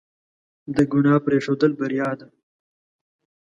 د ګناه پرېښودل بریا ده.